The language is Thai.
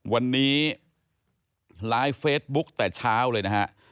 วันนี้ไลฟ์เฟซบุ๊กแต่เช้าเลยนะฮะ